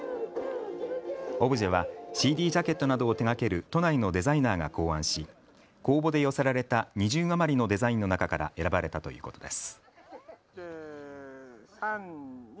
オブジェはＣＤジャケットなどを手がける都内のデザイナーが考案し公募で寄せられた２０余りのデザインの中から選ばれたということです。